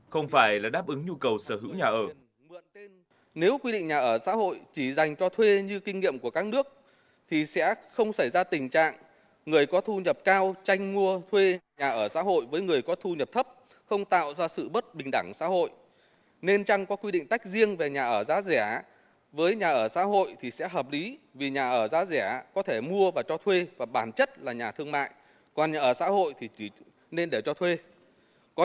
không phải là đáp ứng nhu cầu sở hữu nhà ở